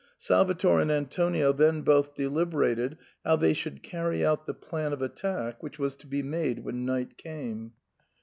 Salvator and Antonio then both deliberated how they should carry out the plan of attack which was to be made when night came.